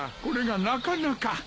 これがなかなか。